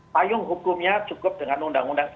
payung hukumnya cukup dengan undang undang